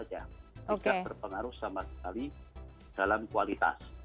tidak berpengaruh sama sekali dalam kualitas